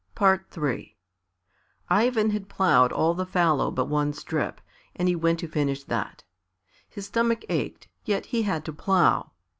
III Ivan had ploughed all the fallow but one strip, and he went to finish that. His stomach ached, yet he had to plough.